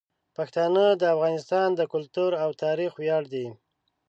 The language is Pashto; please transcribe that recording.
پښتانه د افغانستان د کلتور او تاریخ ویاړ دي.